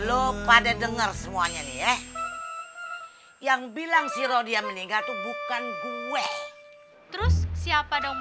lu pada denger semuanya nih ya yang bilang si roh dia meninggal tuh bukan gue terus siapa dong